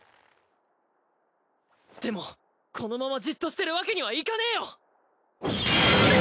でもこのままじっとしてるわけにはいかねえよ！